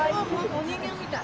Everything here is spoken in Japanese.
お人形みたい。